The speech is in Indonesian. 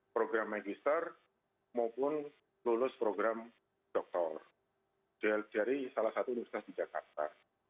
program magister maupun lulus program doktor dari salah satu universitas di jakarta